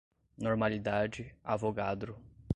normalidade, avogadro